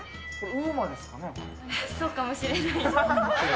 そうかもしれない。